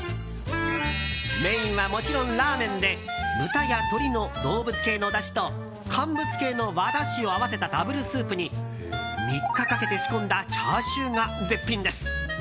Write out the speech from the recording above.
メインはもちろんラーメンで豚や鶏の動物系のだしと乾物系の和だしを合わせたダブルスープに３日かけて仕込んだチャーシューが絶品です。